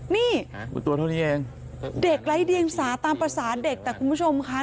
นี่เด็กไร้เดียงสาตามภาษาเด็กแต่คุณผู้ชมค่ะ